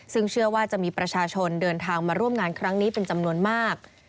ซึ่งเชื่อว่าจะมีประชาชนเดินทางมาร่วมงานครั้งนี้เป็นจำนวนมาก